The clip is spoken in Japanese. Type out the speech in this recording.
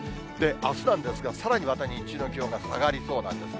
あすなんですが、さらにまた日中の気温が下がりそうなんですね。